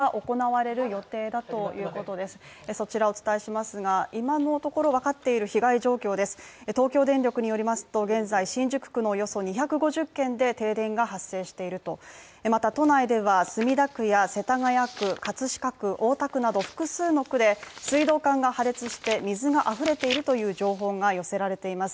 東京電力によりますと現在新宿区でおよそ２５０軒の停電が発生していると、都内では墨田区、世田谷区、葛飾区、大田区などの複数の区で水道管が破裂して水があふれているとの情報が寄せられています。